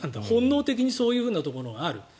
本能的にそういうところがある。